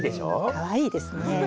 かわいいですね。